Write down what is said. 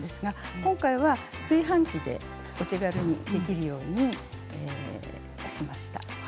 今回は炊飯器でお手軽にできるようにいたしました。